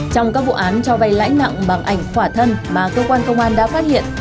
trong các vụ án cho vay lãi nặng bằng ảnh quả thân mà cơ quan công an đã phát hiện